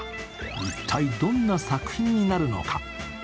一体どんな作品になるのか。